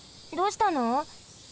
どうしたの？